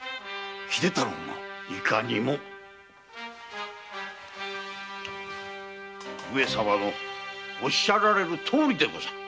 秀太郎がいかにも上様のおっしゃられるとおりでござる。